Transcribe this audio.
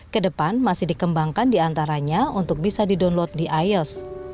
kedepan masih dikembangkan diantaranya untuk bisa didownload di ios